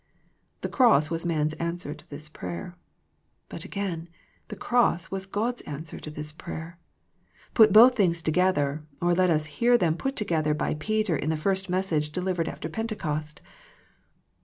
The Cross was man's answer to this prayer. But again, the Cross was God's answer to this prayer. Put both things together, or let us hear them put together by Peter in the first message delivered after Pentecost.